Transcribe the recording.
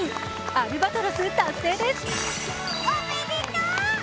アルバトロス達成です！